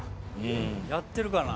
やってるかな？